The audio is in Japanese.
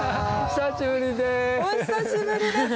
久しぶりです。